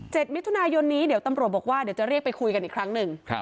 มิถุนายนนี้เดี๋ยวตำรวจบอกว่าเดี๋ยวจะเรียกไปคุยกันอีกครั้งหนึ่งครับ